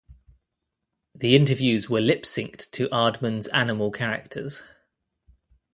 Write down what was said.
The interviews were lip synced to Aardman animal characters.